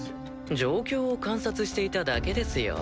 状況を観察していただけですよ。